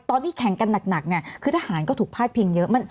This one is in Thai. ตอนที่แข่งกันนักคือทหารก็ถูกภาพพิงเยอะ